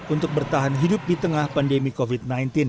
untuk bertahan hidup di tengah pandemi covid sembilan belas